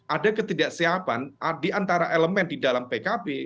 ada ketidaksiapan diantara elemen di dalam pkb